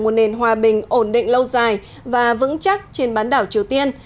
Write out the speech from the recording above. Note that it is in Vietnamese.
một nền hòa bình ổn định lâu dài và vững chắc trên bán đảo triều tiên